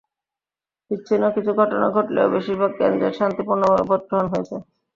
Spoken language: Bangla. বিচ্ছিন্ন কিছু ঘটনা ঘটলেও বেশির ভাগ কেন্দ্রে শান্তিপূর্ণভাবে ভোট গ্রহণ হয়েছে।